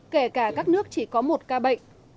kể cả các nước chỉ có một ca bệnh